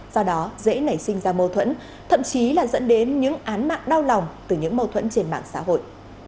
do đó dễ nảy sinh ra mâu thuẫn thậm chí là dẫn đến những án mạng đau lòng từ những mâu thuẫn trên mạng xã hội